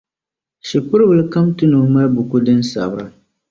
Shikur' bila kam tu ni o mali buku din Sabira.